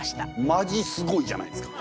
マジすごいじゃないですか。